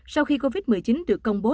sau khi covid một mươi chín được công bố